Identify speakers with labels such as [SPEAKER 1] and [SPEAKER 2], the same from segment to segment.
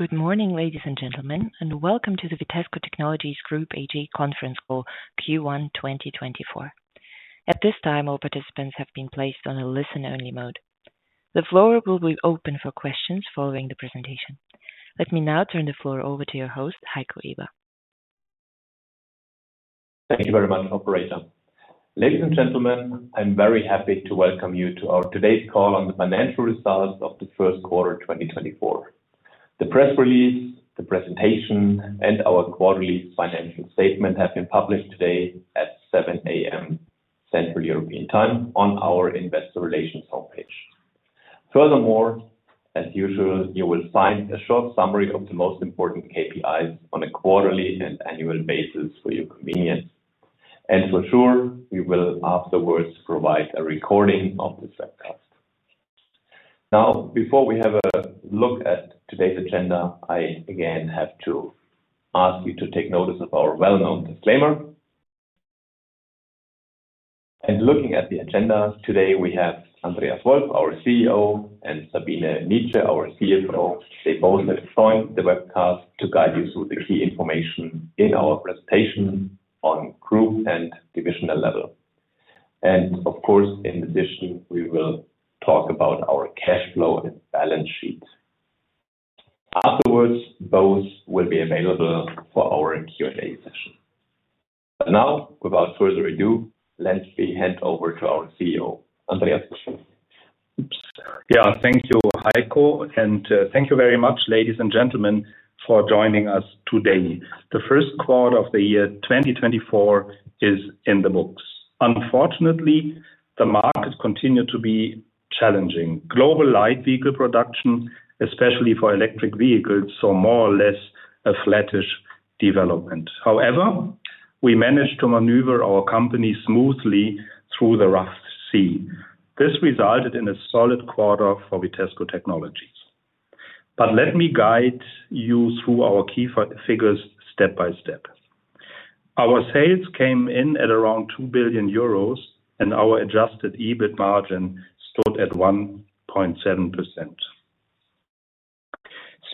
[SPEAKER 1] Good morning, ladies and gentlemen, and welcome to the Vitesco Technologies Group AG conference call, Q1 2024. At this time, all participants have been placed on a listen-only mode. The floor will be open for questions following the presentation. Let me now turn the floor over to your host, Heiko Eber.
[SPEAKER 2] Thank you very much, operator. Ladies and gentlemen, I'm very happy to welcome you to our today's call on the financial results of the first quarter, 2024. The press release, the presentation, and our quarterly financial statement have been published today at 7 A.M. Central European Time on our Investor Relations homepage. Furthermore, as usual, you will find a short summary of the most important KPIs on a quarterly and annual basis for your convenience. For sure, we will afterwards provide a recording of this webcast. Now, before we have a look at today's agenda, I again have to ask you to take notice of our well-known disclaimer. Looking at the agenda, today, we have Andreas Wolf, our CEO, and Sabine Nitzsche, our CFO. They both have joined the webcast to guide you through the key information in our presentation on group and divisional level. Of course, in addition, we will talk about our cash flow and balance sheet. Afterwards, both will be available for our Q&A session. Now, without further ado, let me hand over to our CEO, Andreas Wolf. Oops.
[SPEAKER 3] Yeah. Thank you, Heiko, and thank you very much, ladies and gentlemen, for joining us today. The first quarter of the year 2024 is in the books. Unfortunately, the market continued to be challenging. Global light vehicle production, especially for electric vehicles, saw more or less a flattish development. However, we managed to maneuver our company smoothly through the rough sea. This resulted in a solid quarter for Vitesco Technologies. But let me guide you through our key figures step by step. Our sales came in at around 2 billion euros, and our adjusted EBIT margin stood at 1.7%.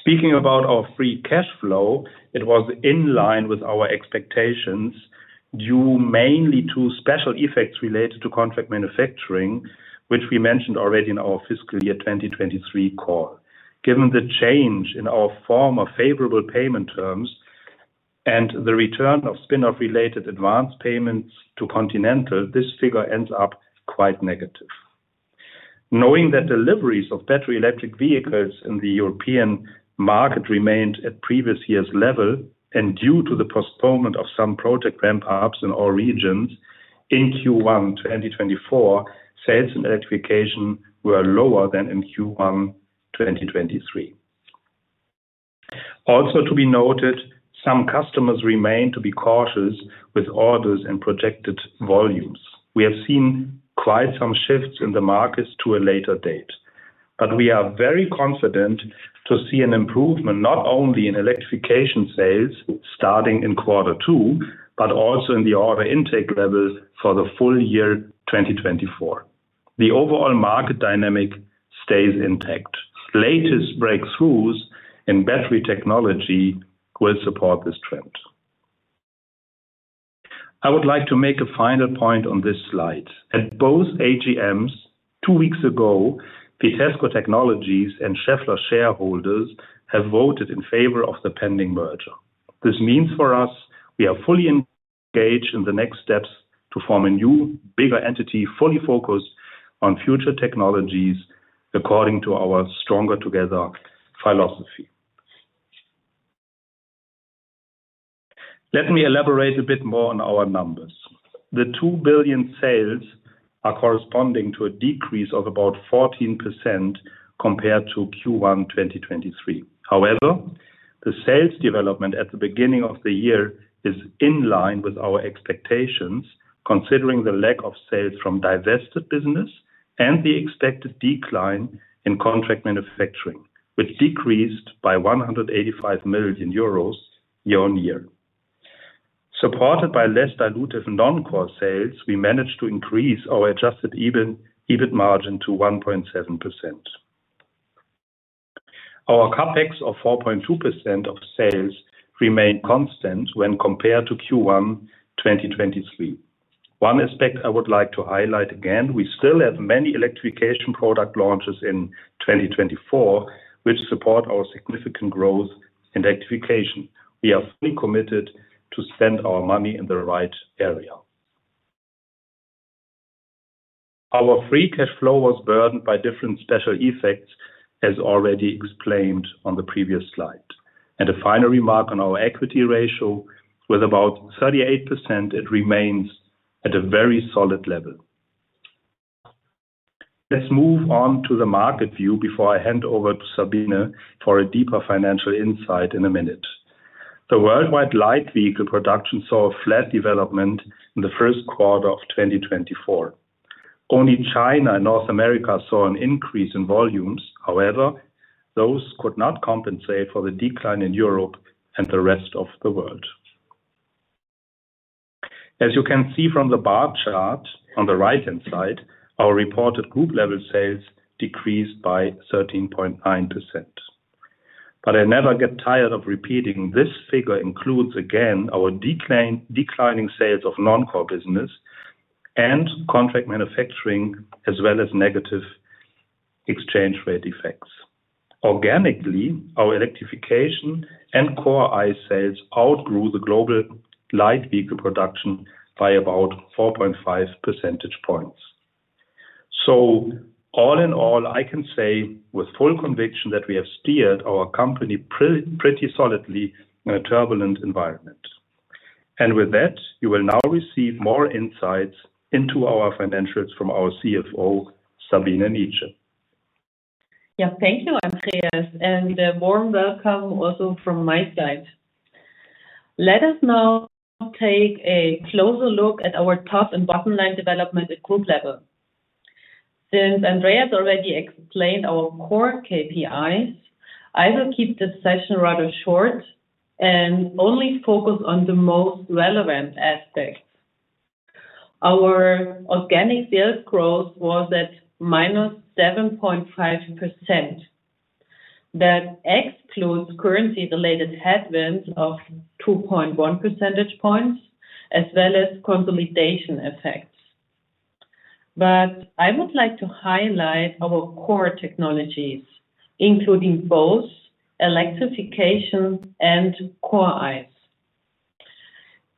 [SPEAKER 3] Speaking about our free cash flow, it was in line with our expectations, due mainly to special effects related to contract manufacturing, which we mentioned already in our fiscal year 2023 call. Given the change in our form of favorable payment terms and the return of spin-off related advance payments to Continental, this figure ends up quite negative. Knowing that deliveries of battery electric vehicles in the European market remained at previous year's level, and due to the postponement of some project ramp-ups in all regions, in Q1 2024, sales and electrification were lower than in Q1 2023. Also, to be noted, some customers remained to be cautious with orders and projected volumes. We have seen quite some shifts in the markets to a later date, but we are very confident to see an improvement, not only in electrification sales starting in quarter two, but also in the order intake levels for the full year 2024. The overall market dynamic stays intact. Latest breakthroughs in battery technology will support this trend. I would like to make a final point on this slide. At both AGMs, two weeks ago, Vitesco Technologies and Schaeffler shareholders have voted in favor of the pending merger. This means for us, we are fully engaged in the next steps to form a new, bigger entity, fully focused on future technologies, according to our stronger together philosophy. Let me elaborate a bit more on our numbers. The 2 billion sales are corresponding to a decrease of about 14% compared to Q1 2023. However, the sales development at the beginning of the year is in line with our expectations, considering the lack of sales from divested business and the expected decline in contract manufacturing, which decreased by 185 million euros year-on-year. Supported by less dilutive non-core sales, we managed to increase our adjusted EBIT, EBIT margin to 1.7%. Our CapEx of 4.2% of sales remained constant when compared to Q1 2023. One aspect I would like to highlight again, we still have many electrification product launches in 2024, which support our significant growth in electrification. We are fully committed to spend our money in the right area. Our free cash flow was burdened by different special effects, as already explained on the previous slide. A final remark on our equity ratio, with about 38%, it remains at a very solid level. Let's move on to the market view before I hand over to Sabine for a deeper financial insight in a minute. The worldwide light vehicle production saw a flat development in the first quarter of 2024. Only China and North America saw an increase in volumes. However, those could not compensate for the decline in Europe and the rest of the world. As you can see from the bar chart on the right-hand side, our reported group level sales decreased by 13.9%. But I never get tired of repeating, this figure includes, again, our declining sales of non-core business and contract manufacturing, as well as negative exchange rate effects. Organically, our electrification and core ICE sales outgrew the global light vehicle production by about 4.5 percentage points. So all in all, I can say with full conviction that we have steered our company pretty solidly in a turbulent environment. And with that, you will now receive more insights into our financials from our CFO, Sabine Nitzsche.
[SPEAKER 4] Yeah, thank you, Andreas, and a warm welcome also from my side. Let us now take a closer look at our top and bottom line development at group level. Since Andreas already explained our core KPIs, I will keep this session rather short and only focus on the most relevant aspects. Our organic sales growth was at -7.5%. That excludes currency-related headwinds of 2.1 percentage points, as well as consolidation effects. But I would like to highlight our core technologies, including both electrification and core ICE.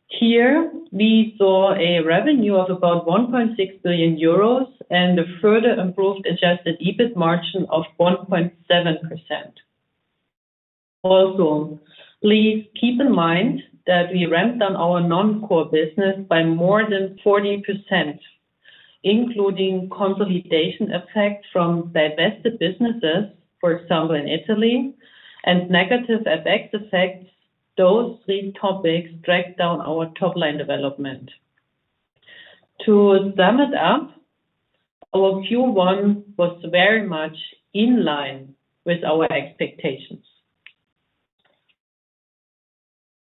[SPEAKER 4] Here, we saw a revenue of about 1.6 billion euros and a further improved adjusted EBIT margin of 1.7%. Also, please keep in mind that we ramped down our non-core business by more than 40%, including consolidation effect from divested businesses, for example, in Italy, and negative FX effects. Those three topics dragged down our top line development. To sum it up, our Q1 was very much in line with our expectations.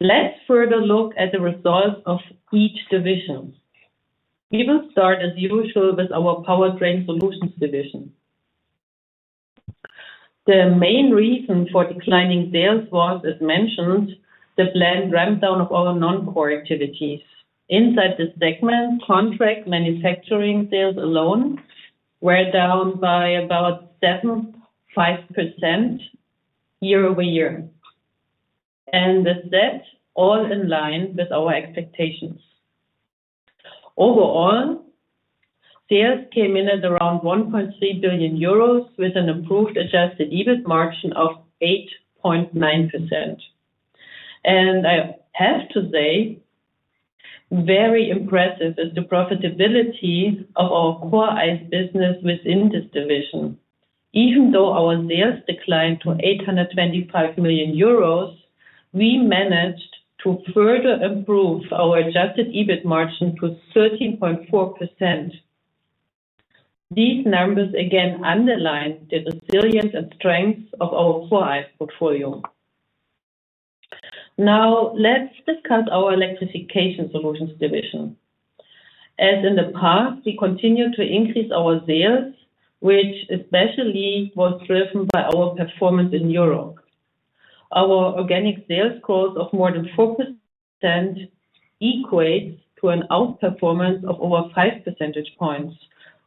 [SPEAKER 4] Let's further look at the results of each division. We will start, as usual, with our Powertrain Solutions division. The main reason for declining sales was, as mentioned, the planned ramp down of our non-core activities. Inside this segment, contract manufacturing sales alone were down by about 7.5% year-over-year, and with that, all in line with our expectations. Overall, sales came in at around 1.3 billion euros, with an improved adjusted EBIT margin of 8.9%. And I have to say, very impressive is the profitability of our core ICE business within this division. Even though our sales declined to 825 million euros, we managed to further improve our Adjusted EBIT margin to 13.4%. These numbers, again, underline the resilience and strength of our core ICE portfolio. Now, let's discuss our Electrification Solutions division. As in the past, we continue to increase our sales, which especially was driven by our performance in Europe. Our organic sales growth of more than 4% equates to an outperformance of over five percentage points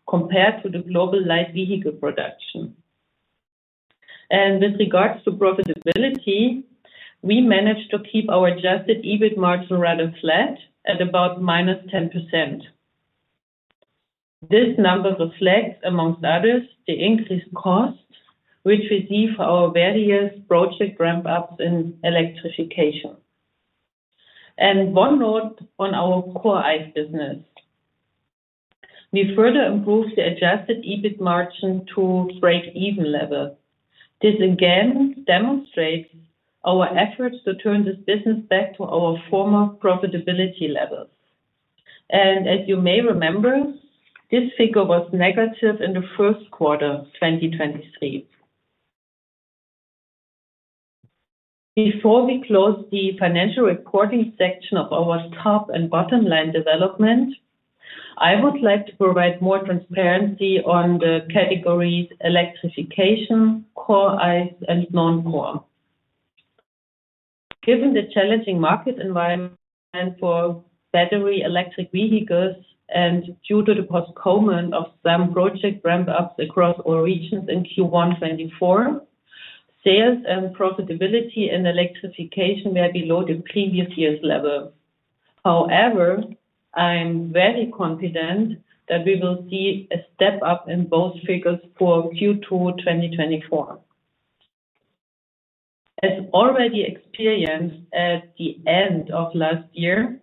[SPEAKER 4] compared to the global light vehicle production. And with regards to profitability, we managed to keep our adjusted EBIT margin rather flat at about -10%. This number reflects, among others, the increased cost, which we see for our various project ramp-ups in electrification. And one note on our core ICE business. We further improved the adjusted EBIT margin to break-even level. This, again, demonstrates our efforts to turn this business back to our former profitability levels. As you may remember, this figure was negative in the first quarter, 2023. Before we close the financial reporting section of our top and bottom line development, I would like to provide more transparency on the categories electrification, core ICE, and non-core. Given the challenging market environment for battery electric vehicles and due to the postponement of some project ramp-ups across all regions in Q1 2024, sales and profitability and electrification were below the previous year's level. However, I am very confident that we will see a step-up in both figures for Q2 2024. As already experienced at the end of last year,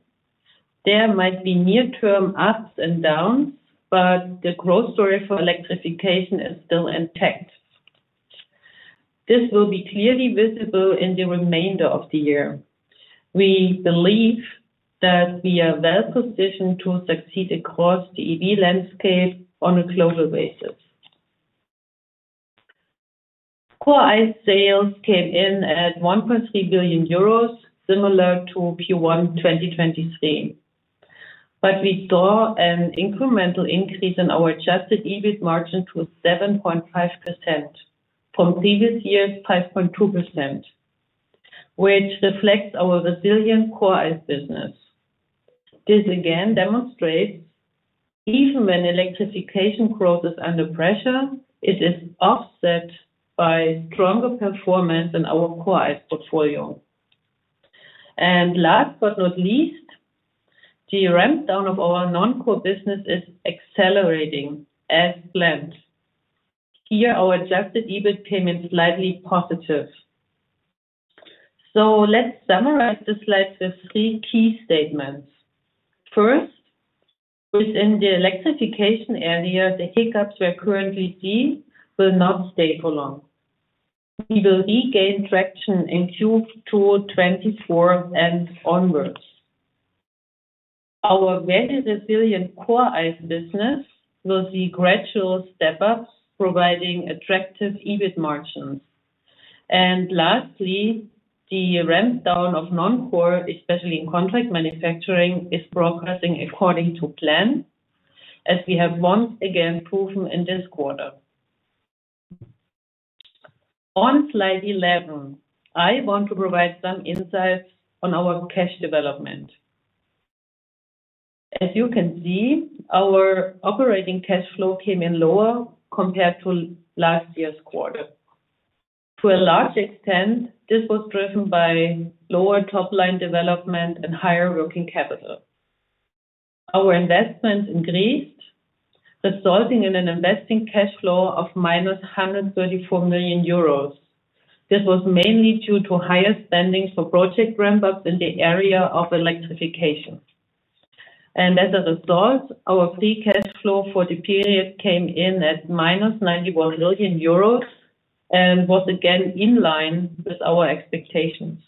[SPEAKER 4] there might be near-term ups and downs, but the growth story for electrification is still intact. This will be clearly visible in the remainder of the year. We believe that we are well positioned to succeed across the EV landscape on a global basis. Core ICE sales came in at 1.3 billion euros, similar to Q1 2023. But we saw an incremental increase in our adjusted EBIT margin to 7.5% from previous year's 5.2%, which reflects our resilient core ICE business. This again demonstrates even when electrification growth is under pressure, it is offset by stronger performance in our core ICE portfolio. And last but not least, the ramp down of our non-core business is accelerating as planned. Here, our adjusted EBIT came in slightly positive. So let's summarize this slide with three key statements. First, within the electrification area, the hiccups we are currently seeing will not stay for long. We will regain traction in Q2 2024 and onwards. Our very resilient core ICE business will see gradual step-ups, providing attractive EBIT margins. And lastly, the ramp down of non-core, especially in contract manufacturing, is progressing according to plan, as we have once again proven in this quarter. On slide 11, I want to provide some insights on our cash development. As you can see, our operating cash flow came in lower compared to last year's quarter. To a large extent, this was driven by lower top line development and higher working capital. Our investment increased, resulting in an investing cash flow of -134 million euros. This was mainly due to higher spending for project ramp-ups in the area of electrification. As a result, our free cash flow for the period came in at -91 million euros, and was again in line with our expectations.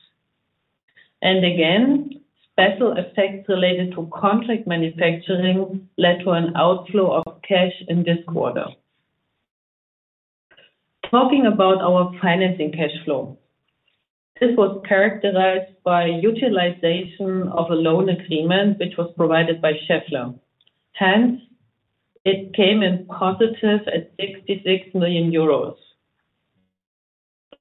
[SPEAKER 4] And again, special effects related to contract manufacturing led to an outflow of cash in this quarter. Talking about our financing cash flow, this was characterized by utilization of a loan agreement, which was provided by Schaeffler. Hence, it came in positive at 66 million euros.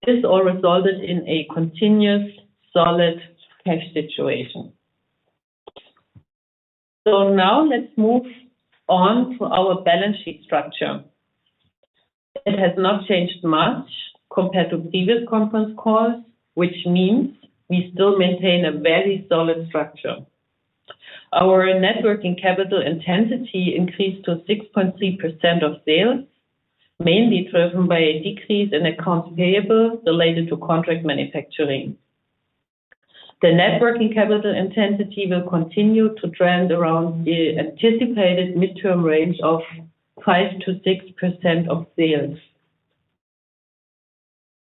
[SPEAKER 4] This all resulted in a continuous solid cash situation. So now let's move on to our balance sheet structure. It has not changed much compared to previous conference calls, which means we still maintain a very solid structure. Our net working capital intensity increased to 6.3% of sales, mainly driven by a decrease in accounts payable related to contract manufacturing. The net working capital intensity will continue to trend around the anticipated midterm range of 5%-6% of sales.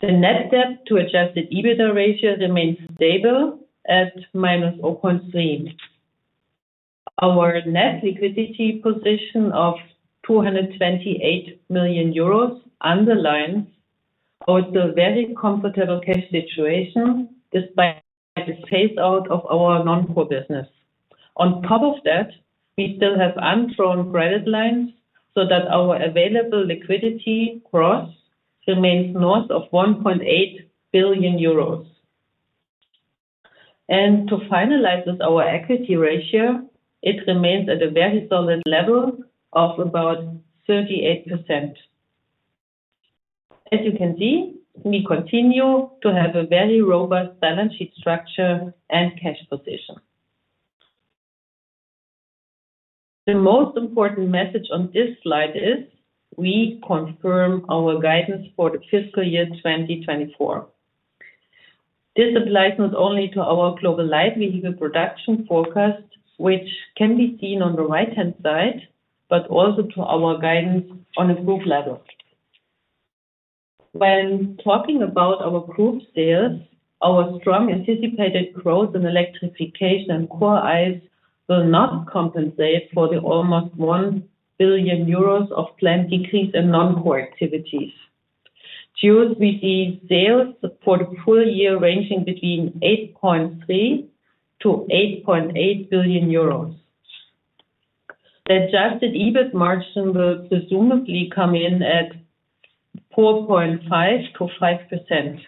[SPEAKER 4] The net debt to adjusted EBITA ratio remains stable at -0.3. Our net liquidity position of 228 million euros underlines also very comfortable cash situation, despite the phase out of our non-core business. On top of that, we still have unfrozen credit lines so that our available liquidity gross remains north of 1.8 billion euros. To finalize this, our equity ratio, it remains at a very solid level of about 38%. As you can see, we continue to have a very robust balance sheet structure and cash position. The most important message on this slide is, we confirm our guidance for the fiscal year 2024. This applies not only to our global light vehicle production forecast, which can be seen on the right-hand side, but also to our guidance on a group level. When talking about our group sales, our strong anticipated growth in electrification and core ICE will not compensate for the almost 1 billion euros of planned decrease in non-core activities. Thus, we see sales for the full year ranging between 8.3 to 8.8 billion euros. The adjusted EBIT margin will presumably come in at 4.5% to 5%.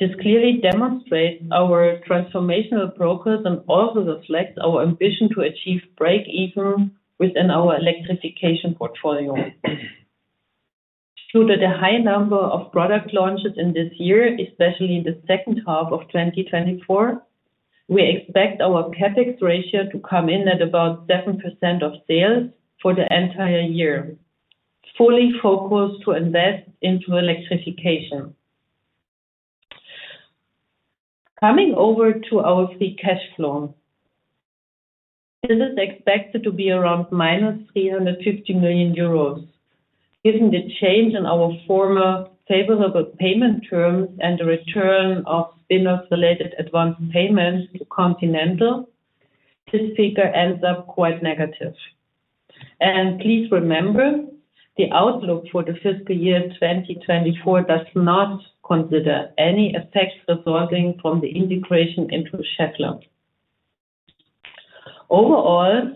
[SPEAKER 4] This clearly demonstrates our transformational progress and also reflects our ambition to achieve break even within our electrification portfolio. Due to the high number of product launches in this year, especially in the second half of 2024, we expect our CapEx ratio to come in at about 7% of sales for the entire year, fully focused to invest into electrification. Coming over to our free cash flow, this is expected to be around -350 million euros. Given the change in our former favorable payment terms and the return of spin-off related advance payments to Continental, this figure ends up quite negative. Please remember, the outlook for the fiscal year 2024 does not consider any effects resulting from the integration into Schaeffler. Overall,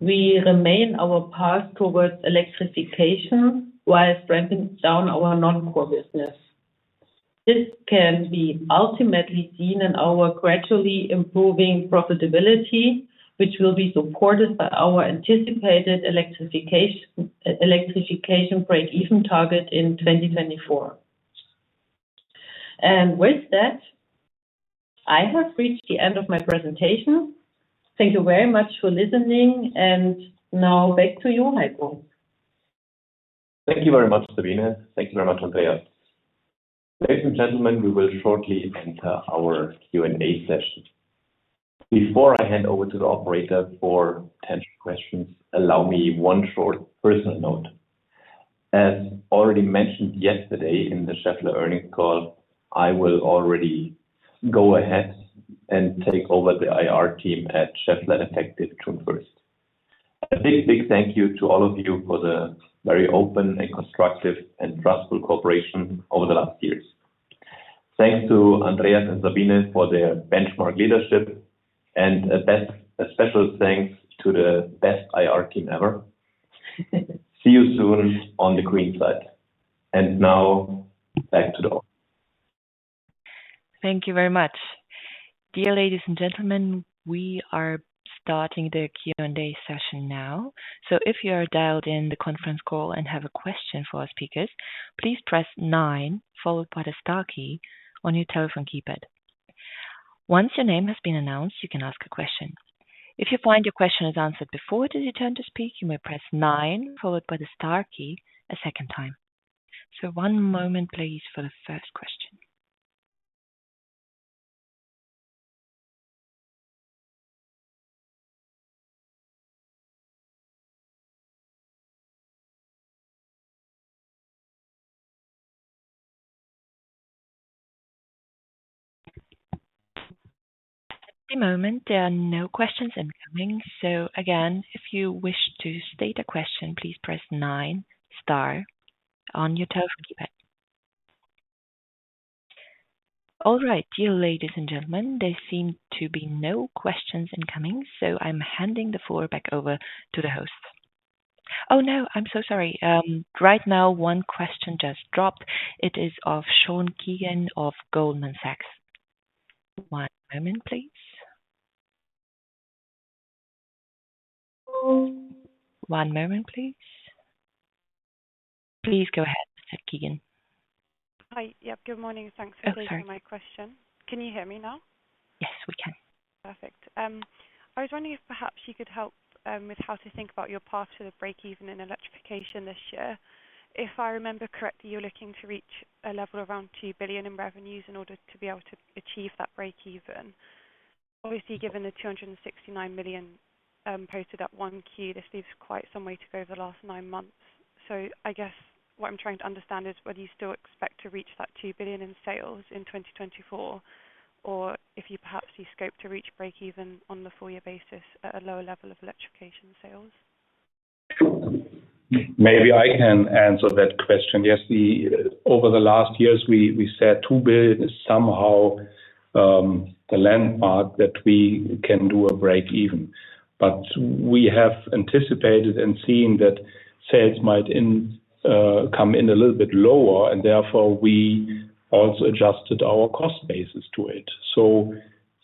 [SPEAKER 4] we remain our path towards electrification while winding down our non-core business. This can be ultimately seen in our gradually improving profitability, which will be supported by our anticipated electrification break-even target in 2024. With that, I have reached the end of my presentation. Thank you very much for listening, and now back to you, Heiko.
[SPEAKER 2] Thank you very much, Sabine. Thank you very much, Andreas. Ladies and gentlemen, we will shortly enter our Q&A session. Before I hand over to the operator for potential questions, allow me one short personal note. As already mentioned yesterday in the Schaeffler earnings call, I will already go ahead and take over the IR team at Schaeffler effective June 1st. A big, big thank you to all of you for the very open and constructive, and trustful cooperation over the last years. Thanks to Andreas and Sabine for their benchmark leadership, and a best, a special thanks to the best IR team ever. See you soon on the green side. And now back to the op.
[SPEAKER 1] Thank you very much. Dear ladies and gentlemen, we are starting the Q&A session now. So if you are dialed in the conference call and have a question for our speakers, please press nine, followed by the star key, on your telephone keypad. Once your name has been announced, you can ask a question. If you find your question is answered before it is your turn to speak, you may press nine, followed by the star key, a second time. So one moment, please, for the first question. At the moment, there are no questions incoming. So again, if you wish to state a question, please press nine, star, on your telephone keypad. All right, dear ladies and gentlemen, there seem to be no questions incoming, so I'm handing the floor back over to the host. Oh, no, I'm so sorry. Right now, one question just dropped. It is Sean Keegan of Goldman Sachs. One moment, please. One moment, please. Please go ahead, Mr. Keegan.
[SPEAKER 5] Hi. Yep, good morning. Thanks for taking-
[SPEAKER 1] Oh, sorry.
[SPEAKER 5] My question. Can you hear me now?
[SPEAKER 1] Yes, we can.
[SPEAKER 5] Perfect. I was wondering if perhaps you could help with how to think about your path to the break-even in electrification this year. If I remember correctly, you're looking to reach a level around 2 billion in revenues in order to be able to achieve that break-even. Obviously, given the 269 million posted in Q1, this leaves quite some way to go over the last nine months. So I guess what I'm trying to understand is, whether you still expect to reach that 2 billion in sales in 2024, or if you perhaps scope to reach break-even on the full year basis at a lower level of electrification sales?
[SPEAKER 3] Maybe I can answer that question. Yes, over the last years, we said 2 billion is somehow the landmark that we can do a break-even. But we have anticipated and seen that sales might come in a little bit lower, and therefore we also adjusted our cost basis to it. So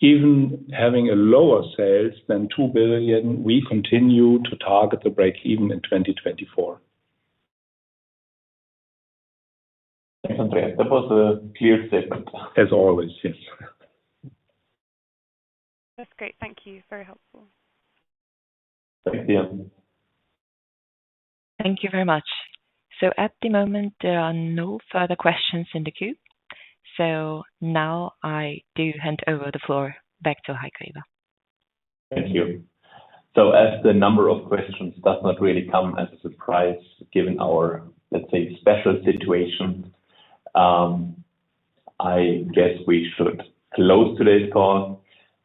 [SPEAKER 3] even having a lower sales than 2 billion, we continue to target the break-even in 2024.
[SPEAKER 2] Thanks, Andreas. That was a clear statement. As always, yes.
[SPEAKER 5] That's great. Thank you. Very helpful.
[SPEAKER 2] Thank you.
[SPEAKER 1] Thank you very much. So at the moment, there are no further questions in the queue. So now I do hand over the floor back to Heiko Eber.
[SPEAKER 2] Thank you. So as the number of questions does not really come as a surprise, given our, let's say, special situation, I guess we should close today's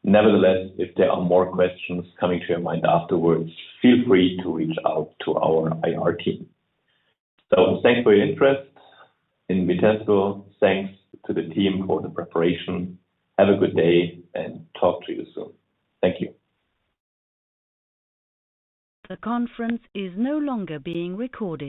[SPEAKER 2] call. Nevertheless, if there are more questions coming to your mind afterwards, feel free to reach out to our IR team. So thanks for your interest in Vitesco. Thanks to the team for the preparation. Have a good day, and talk to you soon. Thank you.
[SPEAKER 1] The conference is no longer being recorded.